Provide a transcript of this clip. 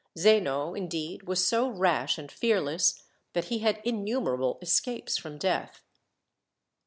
Zeno, indeed, was so rash and fearless that he had innumerable escapes from death.